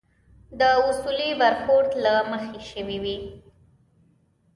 د اصولي برخورد له مخې شوي وي.